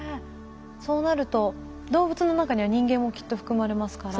そうなると動物の中には人間もきっと含まれますから。